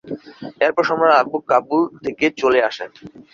এরপর সম্রাট আকবর কাবুল থেকে চলে আসেন।